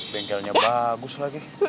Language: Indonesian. bengkelnya bagus lagi